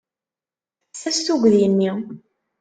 Tekkes-as tuggdi-nni.